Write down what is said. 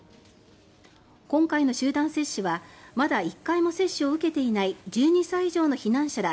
今回の集団接種はまだ１回も接種を受けていない１２歳以上の避難者ら